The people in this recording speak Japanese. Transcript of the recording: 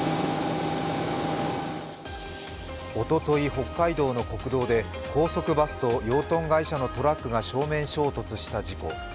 おととい、北海道の国道で高速バスと養豚会社のトラックが正面衝突した事故。